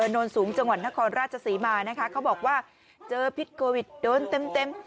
โนนสูงจังหวัดนครราชศรีมานะคะเขาบอกว่าเจอพิษโควิดโดนเต็มเต็ม